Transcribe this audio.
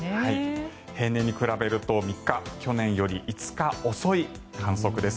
平年に比べると３日去年より５日遅い観測です。